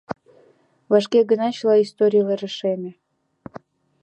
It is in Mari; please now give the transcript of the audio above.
Вашке гына чыла историй рашеме.